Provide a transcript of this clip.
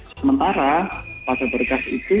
sementara pada perkara itu